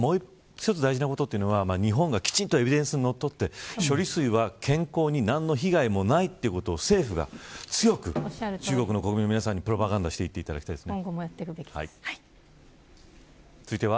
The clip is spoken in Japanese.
もう一つ大事なことは日本がきちんとエビデンスにのっとって処理水は健康に対して何も被害がないということを政府が強く中国の国民の皆さんにプロパガンダしていかないといけませんね。